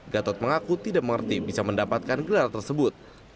gatot mengaku tidak mengerti bisa mendapatkan gelar tersebut